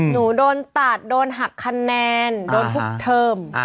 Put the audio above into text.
หนูโดนตัดโดนหักคะแนนโดนทุกเทอม